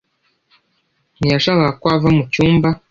Ntiyashakaga ko ava mu cyumba